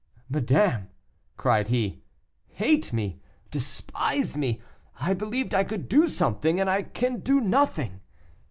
"Madame," cried he, "hate me, despise me; I believed I could do something and I can do nothing.